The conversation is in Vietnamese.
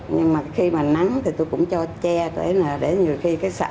nhưng mà khi mà nắng thì tôi cũng cho che để nhiều khi cái sợ